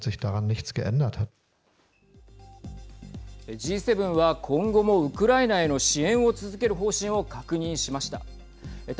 Ｇ７は今後もウクライナへの支援を続ける方針を確認しました。